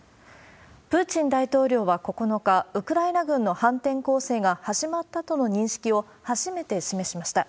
プーチン大統領は９日、ウクライナ軍の反転攻勢が始まったとの認識を初めて示しました。